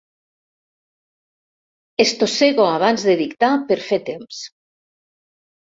Estossego abans de dictar per fer temps.